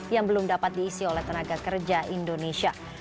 yang belum dapat diisi oleh tenaga kerja indonesia